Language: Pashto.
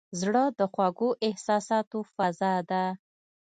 زړه د خوږو احساساتو فضا ده.